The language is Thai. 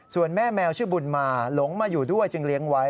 ส่วนแม่แมวชื่อบุญมาหลงมาอยู่ด้วยจึงเลี้ยงไว้